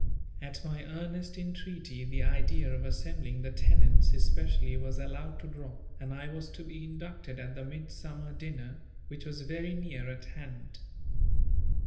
At my earnest entreaty, the idea of assembling the tenants especially was allowed to drop, and I was to be inducted at the Midsummer dinner, which was very near at hand.